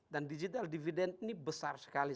dan digital dividend ini besar sekali